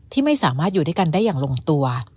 ที่ไม่สามารถอยู่ด้วยกันได้อย่างลงตัว